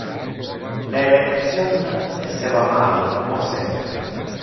Le election esseva mal, como sempre.